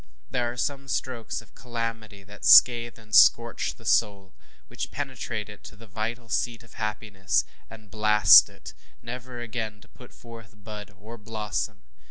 There are some strokes of calamity that scathe and scorch the soul which penetrate to the vital seat of happiness and blast it, never again to put forth bud or blossom.